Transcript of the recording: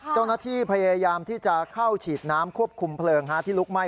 เจ้าหน้าที่พยายามที่จะเข้าฉีดน้ำควบคุมเพลิงที่ลุกไหม้